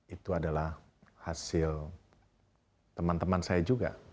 itu adalah hasil teman teman saya juga